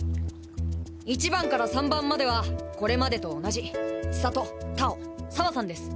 １番から３番まではこれまでと同じ千里太鳳沢さんです。